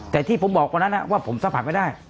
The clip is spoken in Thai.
แต่ที่ผมบอกวันนั้นว่าผมสัมผัสไม่ได้